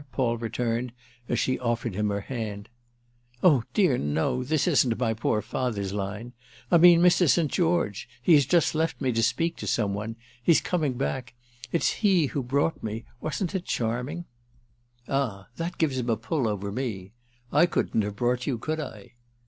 Paul returned as she offered him her hand. "Oh dear no, this isn't in my poor father's line. I mean Mr. St. George. He has just left me to speak to some one—he's coming back. It's he who brought me—wasn't it charming?" "Ah that gives him a pull over me—I couldn't have 'brought' you, could I?"